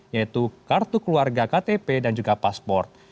yaitu kartu keluarga ktp dan juga pasport